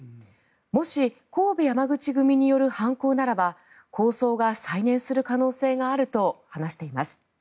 もし、神戸山口組による犯行ならば抗争が再燃する可能性があると話しています。